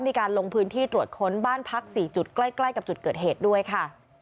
มีการลงพื้นที่ตรวจค้นบ้านพัก๔จุดใกล้กับจุดเกิดเหตุด้วยค่ะ